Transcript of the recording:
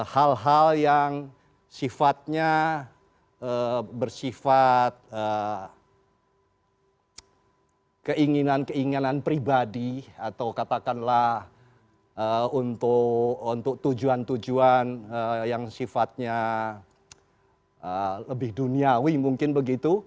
hal hal yang sifatnya bersifat keinginan keinginan pribadi atau katakanlah untuk tujuan tujuan yang sifatnya lebih duniawi mungkin begitu